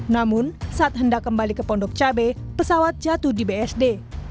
namun saat hendak kembali ke pondok cabai pesawat jatuh di bsd